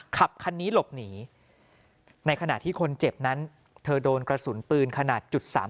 ขับคันนี้หลบหนีในขณะที่คนเจ็บนั้นเธอโดนกระสุนปืนขนาด๓๘